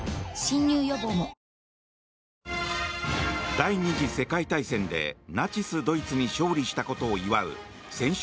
第２次世界大戦でナチス・ドイツに勝利したことを祝う戦勝